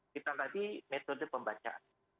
kita tadi metode pembacaan